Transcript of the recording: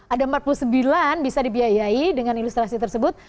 ada empat puluh sembilan bisa dibiayai dengan ilustrasi tersebut